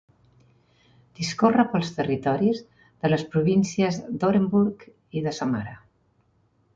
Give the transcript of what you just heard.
Discorre pels territoris de les províncies d'Orenburg i de Samara.